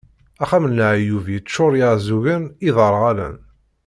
Axxam d leɛyub yeččur, iɛeẓẓugen, iderɣalen.